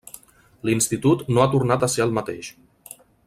L'institut no ha tornat a ser el mateix.